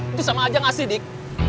itu sama aja ngasih dik